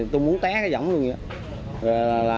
tui muốn té cái giỏng luôn vậy